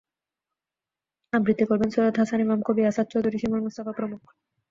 আবৃত্তি করবেন সৈয়দ হাসান ইমাম, কবি আসাদ চৌধুরী, শিমুল মুস্তাফা প্রমুখ।